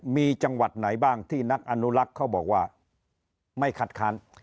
มีจังหวัดไหนบ้างที่นักอนุรักษ์เขาบอกว่าไม่คัดค้าน